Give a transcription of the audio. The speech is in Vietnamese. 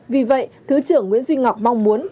vì vậy thứ trưởng nguyễn duy ngọc mong muốn